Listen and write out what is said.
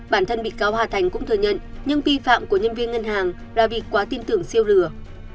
bản thân bị cáo hà thành cũng thừa nhận những bi phạm của nhân viên ngân hàng là vì quá tin tưởng siêu lửa